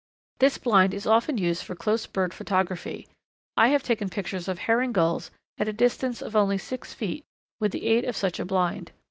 This blind is often used for close bird photography. I have taken pictures of Herring Gulls at a distance of only six feet with the aid of such a blind.